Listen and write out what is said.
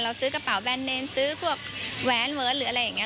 ซื้อกระเป๋าแบรนเนมซื้อพวกแหวนเวิร์ดหรืออะไรอย่างนี้